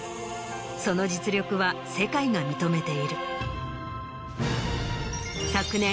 その実力は世界が認めている。